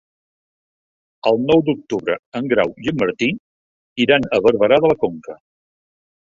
El nou d'octubre en Grau i en Martí iran a Barberà de la Conca.